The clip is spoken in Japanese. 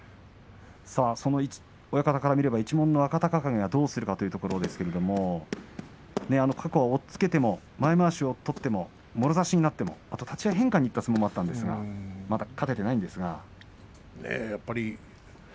親方から見れば一門の若隆景がどうするかというところですけど過去は押っつけても前まわしを取ってももろ差しになってもあと立ち合い変化にいった相撲もあったんですがまだ勝てていないんですが。